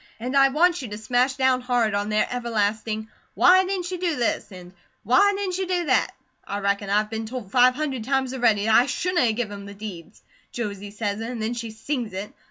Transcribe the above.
And I want you to smash down hard on their everlasting, 'why didn't you do this?' and 'why didn't you do that?' I reckon I've been told five hundred times a ready that I shouldn't a give him the deeds. Josie say it, an' then she sings it.